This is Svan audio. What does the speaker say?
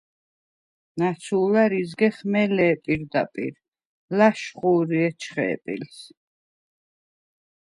ნაცუ̄ლარ იზგეხ მელე̄ პირდაპირ, ლა̄შხუ̄რი ეჩხე̄ პილს.